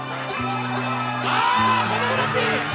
あ、子供たち！